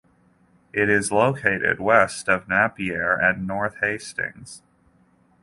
It is located west of Napier and north of Hastings.